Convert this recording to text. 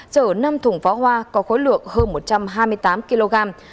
chở năm thủng pháo hoa có khối lược hơn một trăm hai mươi tám kg